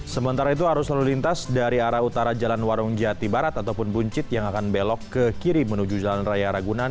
sementara itu arus lalu lintas dari arah selatan jalan pasar minggu yang akan menuju jalan raya ragunan